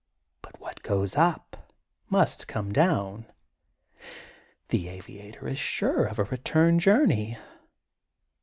But what goes up must come down. The aviator is sure of a return journey.